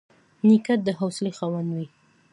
نیکه د حوصلې خاوند وي.